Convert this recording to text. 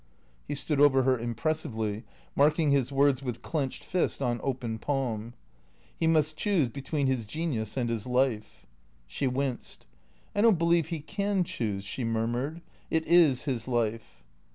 He stood over her impressively, marking his words with clenched fist on open palm. "He must choose between his genius and his life." She winced. " I don't believe he can choose," she murmured. " It is his life."